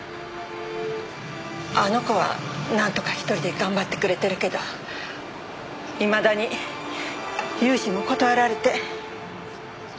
あの子はなんとか一人で頑張ってくれてるけどいまだに融資も断られて。